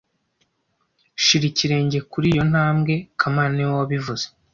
Shira ikirenge kuri iyo ntambwe kamana niwe wabivuze